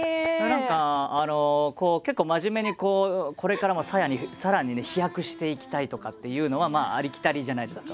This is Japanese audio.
何かこう結構真面目に「これからもさらに飛躍していきたい」とかっていうのはまあありきたりじゃないですか。